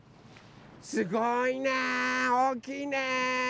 すごいねおおきいね！